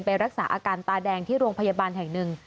ไปรักษาอาการตาแดงที่โรงพยาบาลแห่งหนึ่ง